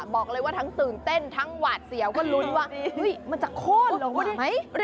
บอกเลยว่าทั้งตื่นเต้นทั้งหวาดเสี่ยวก็ลุ้นมันจะโฆ่นเหรอ